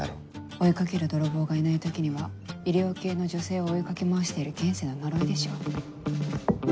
追い掛ける泥棒がいない時には医療系の女性を追い掛け回してる現世の呪いでしょう。